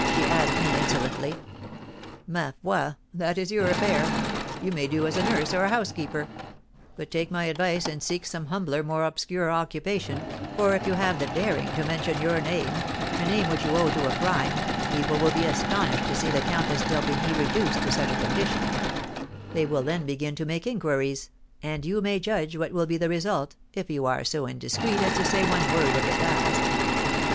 she asked me, insolently. 'Ma foi! that is your affair, you may do as a nurse or housekeeper; but take my advice and seek some humbler, more obscure occupation, for if you have the daring to mention your name a name which you owe to a crime people will be astonished to see the Countess d'Orbigny reduced to such a condition; they will then begin to make inquiries, and you may judge what will be the result, if you are so indiscreet as to say one word of the past.